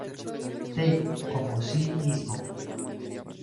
T como sí mismo.